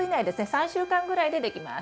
３週間ぐらいでできます。